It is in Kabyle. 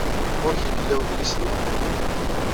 Ɣer-k ay yella wedlis-nni?